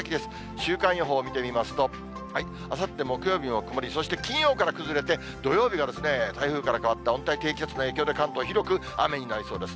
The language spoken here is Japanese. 週間予報を見てみますと、あさって木曜日は曇り、そして金曜から崩れて、どようびが台風から変わった温帯低気圧の影響で、関東広く雨になりそうです。